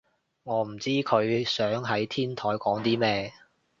我唔知佢想喺天台講啲咩